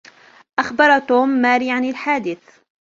أخبر توم ماري عن الحادث.